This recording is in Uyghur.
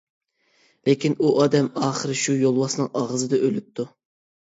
لېكىن ئۇ ئادەم ئاخىر شۇ يولۋاسنىڭ ئاغزىدا ئۆلۈپتۇ.